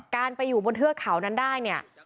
การไปอยู่บนเทือกเขานั้นได้เนี่ย